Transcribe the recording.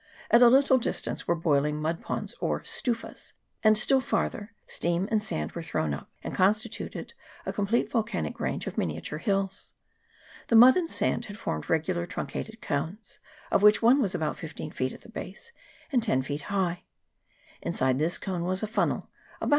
At a little distance were boiling mud ponds, or stufas ; and still farther, steam and sand were thrown up, and constituted a com plete volcanic range of miniature hills. The mud and sand had formed regular truncated cones, of which one was about fifteen feet at the base, and ten feet high ; inside this cone was a funnel, about two CHAP.